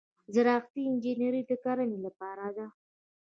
زراعتي انجنیری د کرنې لپاره ده.